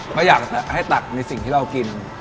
เพราะอยากให้ตักในสิ่งที่เรากิน